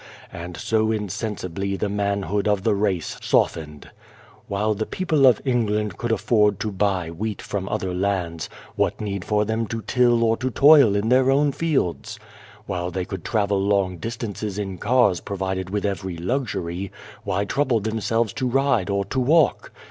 And so insensibly the manhood of the race softened. While the people of England could afford to buy wheat from other lands, what need for them to till or 256 Without a Child to toil in their own fields ? While they could travel long distances in cars provided with every luxury, why trouble themselves to ride or to walk